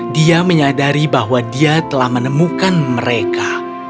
dia menyadari bahwa dia telah menemukan mereka